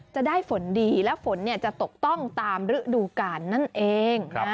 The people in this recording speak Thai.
จะได้ฝนดีและฝนจะตกต้องตามฤดูกาลนั่นเอง